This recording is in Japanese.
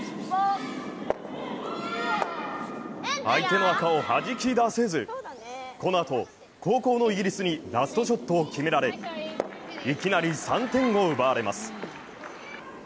相手の赤をはじき出せず、このあと後攻のイギリスにラストショットを決められ、いきなり、３点を奪われます。